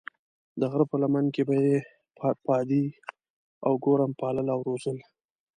د غره په لمن کې به یې پادې او ګورم پالل او روزل.